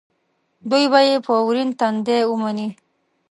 دوی به یې په ورین تندي ومني.